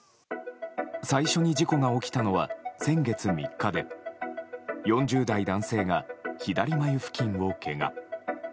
最初に事故が起きたのは先月３日で４０代男性が左眉付近をけが。